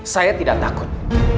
saya tidak takut